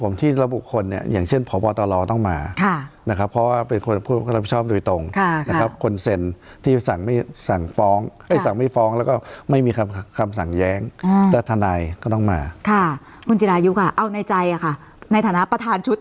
ค่ะคุณจิรายุค่ะเอาในใจค่ะในฐานะประธานชุดนี่ค่ะ